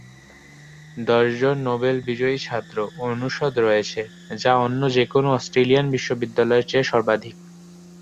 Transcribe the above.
দশজন নোবেল বিজয়ী ছাত্র ও অনুষদ রয়েছে যা অন্য যেকোনও অস্ট্রেলিয়ান বিশ্ববিদ্যালয়ের চেয়ে সর্বাধিক।